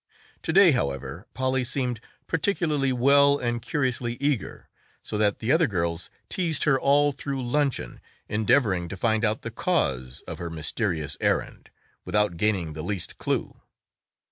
To day, however, Polly seemed particularly well and curiously eager, so that the other girls teased her all through luncheon endeavoring to find out the cause of her mysterious errand, without gaining the least clue.